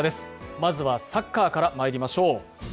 まずはサッカーからまいりましょう。